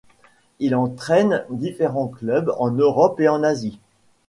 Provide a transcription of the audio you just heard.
Il entraîne différents clubs en Europe et en Asie.